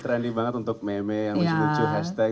trendy banget untuk meme yang lucu lucu hashtag